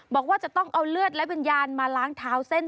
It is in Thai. บอกว่าจะต้องเอาเลือดและวิญญาณมาล้างเท้าเส้น